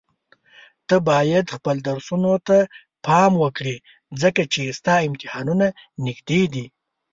ته بايد خپل درسونو ته پام وکړي ځکه چي ستا امتحانونه نيږدي دي.